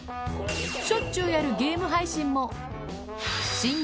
しょっちゅうやるゲーム配信